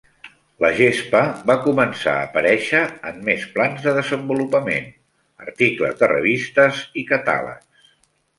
La gespa va començar a aparèixer en més plans de desenvolupament, articles de revistes i catàlegs.